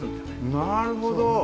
なるほど！